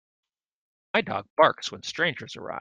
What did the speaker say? My dog barks when strangers arrive.